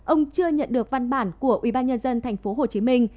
ông chưa nhận được văn bản của ubnd thành phố hồ chí minh